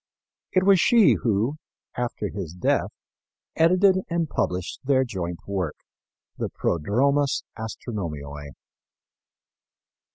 It was she who, after his death, edited and published their joint work, the Prodromus Astronomiæ.